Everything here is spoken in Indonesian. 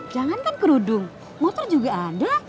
jangankan kerudung motor juga ada